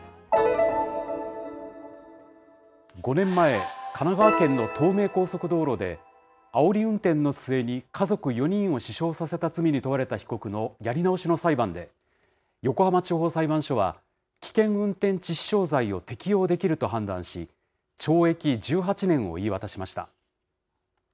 ５年前、神奈川県の東名高速道路で、あおり運転の末に家族４人を死傷させた罪に問われた被告のやり直しの裁判で、横浜地方裁判所は、危険運転致死傷罪を適用できると判断し、懲役１８年を言い渡しました。